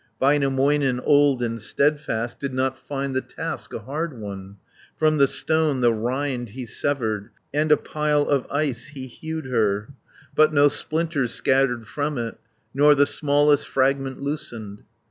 Väinämöinen, old and steadfast, Did not find the task a hard one. From the stone the rind he severed, And a pile of ice he hewed her, But no splinters scattered from it, Nor the smallest fragment loosened.